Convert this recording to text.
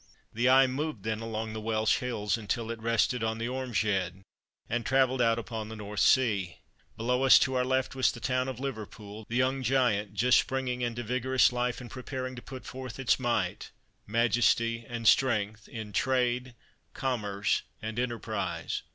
The eye moved then along the Welsh hills until it rested on the Ormeshead and travelled out upon the North sea. Below us, to our left, was the town of Liverpool, the young giant just springing into vigorous life and preparing to put forth its might, majesty and strength, in Trade, Commerce, and Enterprise.